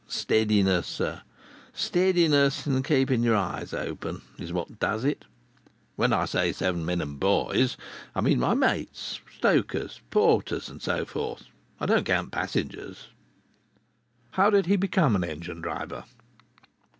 Steadiness, sir—steadiness and keeping your eyes open, is what does it. When I say seven men and boys, I mean my mates—stokers, porters, and so forth. I don't count passengers." How did he become an engine driver?